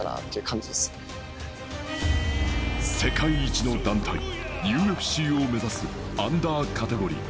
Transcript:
世界一の団体ＵＦＣを目指すアンダーカテゴリー